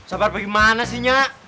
sabar bagaimana sih nya